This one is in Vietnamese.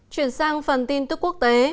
chuyển sang phần tin tức quốc tế